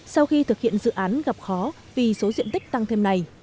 sau khi thực hiện dự án gặp khó vì số diện tích tăng thêm này